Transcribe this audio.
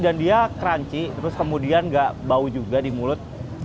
dan dia crunchy terus kemudian gak bau juga di mulut